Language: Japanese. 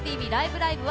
ライブ！」は